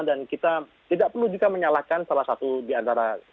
dan kita tidak perlu juga menyalahkan salah satu di antara kita